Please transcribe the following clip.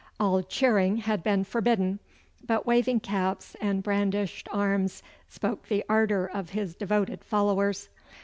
All cheering had been forbidden, but waving caps and brandished arms spoke the ardour of his devoted followers.